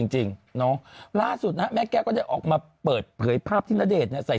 จริงน้องล่าสุดนะแม่แกก็ได้ออกมาเปิดเผยภาพที่ณเดชน์ใส่